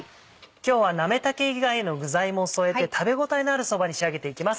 今日はなめたけ以外の具材も添えて食べ応えのあるそばに仕上げていきます。